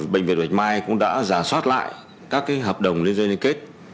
bệnh viện bạch mai cũng đã giả soát lại các hợp đồng liên doanh liên kết